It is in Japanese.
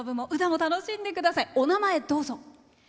お名前、どうぞ。